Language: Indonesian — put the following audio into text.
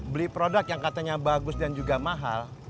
beli produk yang katanya bagus dan juga mahal